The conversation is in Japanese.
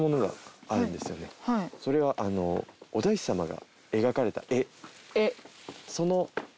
それはあのお大師様が描かれた絵。